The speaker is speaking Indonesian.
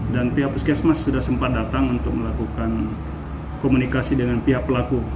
dan pihak puskesmas sudah sempat datang untuk melakukan komunikasi dengan pihak pelaku